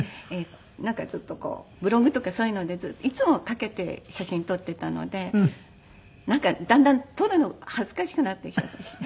なんかちょっとこうブログとかそういうのでいつもかけて写真撮っていたのでなんかだんだん取るの恥ずかしくなってきたりして。